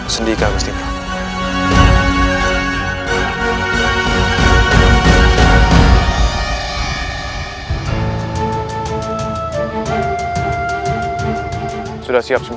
sandika agustin ratu